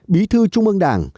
bí thư trung ương đảng